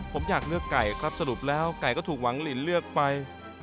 ผมอยากเลือกไก่ครับสรุปแล้วไก่ก็ถูกหวังลินเลือกไป